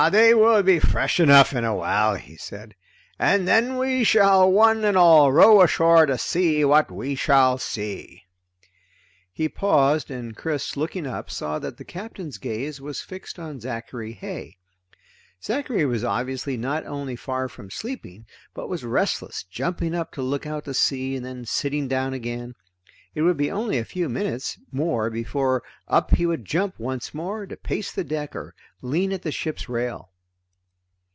"They will be fresh enough in a while," he said, "and then we shall one and all row ashore to see what we shall see." He paused, and Chris, looking up, saw that the Captain's gaze was fixed on Zachary Heigh. Zachary was obviously not only far from sleeping, but was restless, jumping up to look out to sea and then sitting down again. It would be only a few minutes more before up he would jump once more to pace the deck or lean at the ship's rail.